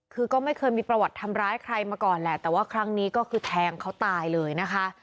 คือก็ไม่เคยมีประวัติทำร้ายใครมาก่อนแหละแต่ว่าครั้งนี้ก็คือแทงเขาตายเลยนะคะ